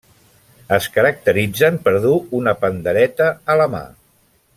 Es caracteritzen per dur una pandereta a la mà.